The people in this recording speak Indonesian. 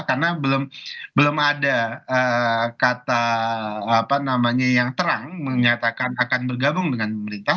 karena belum ada kata yang terang menyatakan akan bergabung dengan pemerintah